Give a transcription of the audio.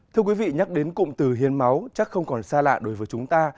thưa quý vị nhắc đến cụm từ hiến máu chắc không còn xa lạ đối với chúng ta